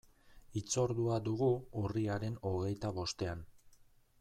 Hitzordua dugu urriaren hogeita bostean.